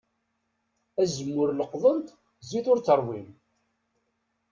Azemmur leqḍen-t, zzit ur t-ṛwin.